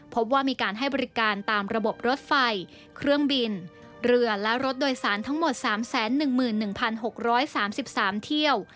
พบว่ามีการให้บริการตามระบบรถไฟเครื่องบินเรือและรถโดยสารทั้งหมด๓๑๑๖๓๓เที่ยว